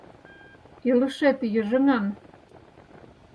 Илышет йыжыҥан...